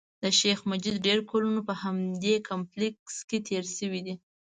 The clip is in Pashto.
د شیخ مجید ډېر کلونه په همدې کمپلېکس کې تېر شوي دي.